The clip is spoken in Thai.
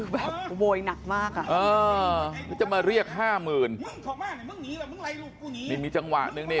แบบโบยหนักมากอะจะมาเรียก๕หมื่นมีจังหวะหนึ่งนี่